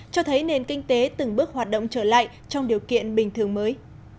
cho thấy nền kinh tế từng bước hoạt động trở lại trong điều kiện bình thường mới